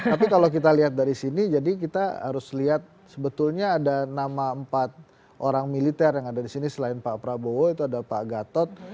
tapi kalau kita lihat dari sini jadi kita harus lihat sebetulnya ada nama empat orang militer yang ada di sini selain pak prabowo itu ada pak gatot